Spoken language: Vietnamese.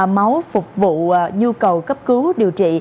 máu phục vụ nhu cầu cấp cứu điều trị